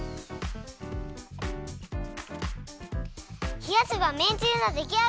ひやせばめんつゆのできあがり。